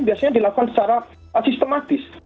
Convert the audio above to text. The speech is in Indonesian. biasanya dilakukan secara sistematis